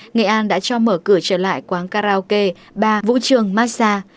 nghệ an đã cho mở cửa trở lại quán karaoke bà vũ trường massage